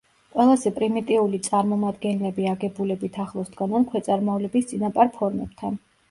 ყველაზე პრიმიტიული წარმომადგენლები აგებულებით ახლოს დგანან ქვეწარმავლების წინაპარ ფორმებთან.